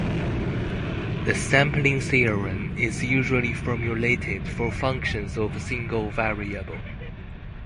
The sampling theorem is usually formulated for functions of a single variable.